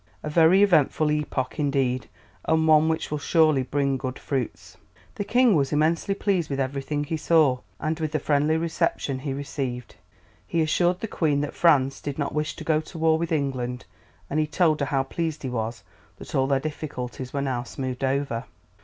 A very eventful epoch, indeed, and one which will surely bring good fruits." The King was immensely pleased with everything he saw, and with the friendly reception he received. He assured the Queen that France did not wish to go to war with England, and he told her how pleased he was that all their difficulties were now smoothed over.